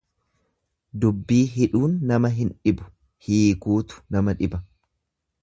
Dubbii hidhuun nama hin dhibu, hiikuutu nama dhiba.